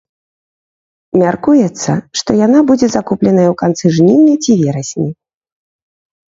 Мяркуецца, што яна будзе закупленая ў канцы жніўня ці верасні.